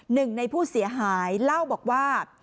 หนึ่งในผู้เสียหายเล่าบอกว่า